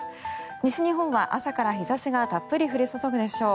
西日本は朝から日差しがたっぷり降り注ぐでしょう。